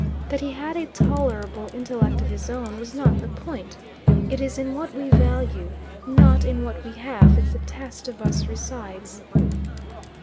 That he had a tolerable intellect of his own was not the point: it is in what we value, not in what we have, that the test of us resides.